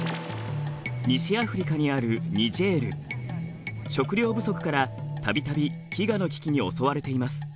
西アフリカにある食料不足から度々飢餓の危機に襲われています。